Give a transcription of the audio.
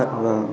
và không biết là